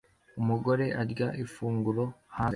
Umugore arya ifunguro hanze